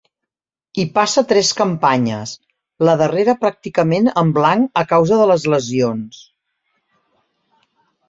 Hi passa tres campanyes, la darrera pràcticament en blanc a causa de les lesions.